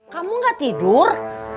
kamu nggak tidur